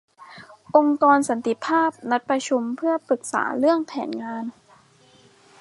องค์กรสันติภาพนัดประชุมเพื่อปรึกษาเรื่องแผนงาน